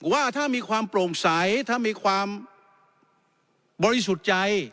ว่าถ้ามีความโปร่งใสถ้ามีความบริสุทธิ์ใจ